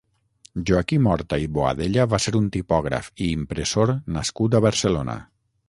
Joaquim Horta i Boadella va ser un tipògraf i impressor nascut a Barcelona.